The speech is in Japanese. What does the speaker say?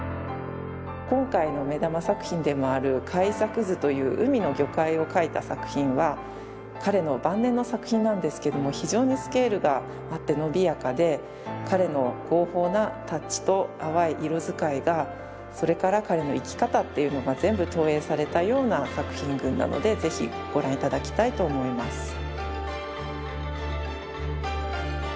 今回の目玉作品でもある「海錯図」という海の魚介を描いた作品は彼の晩年の作品なんですけども非常にスケールがあってのびやかで彼の豪放なタッチと淡い色使いがそれから彼の生き方っていうのが全部投影されたような作品群なので是非ご覧頂きたいと思います。